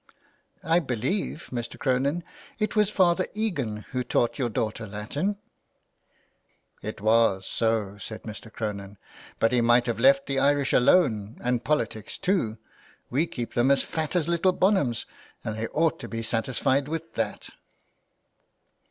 '' I believe Mr. Cronin, it was Father Egan who taught your daughter Latin ?"" It was so," said Mr. Cronin ;" but he might have left the Irish alone, and politics, too. We keep them as fat as little bonhams, and they ought to be satis fied with that."